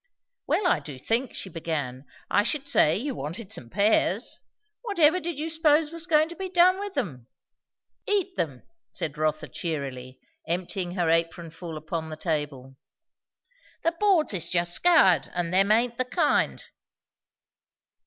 "Well, I do think!" she began. "I should say, you wanted some pears. What ever did you s'pose was goin' to be done with 'em?" "Eat them!" said Rotha cheerily, emptying her apronful upon the table. "The boards is just scoured! And them aint the kind."